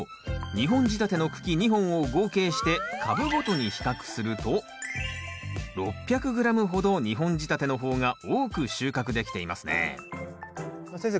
２本仕立ての茎２本を合計して株ごとに比較すると６００ｇほど２本仕立ての方が多く収穫できていますね先生